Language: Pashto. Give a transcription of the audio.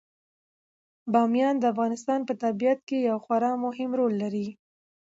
بامیان د افغانستان په طبیعت کې یو خورا مهم رول لري.